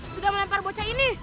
sudah melempar bocah ini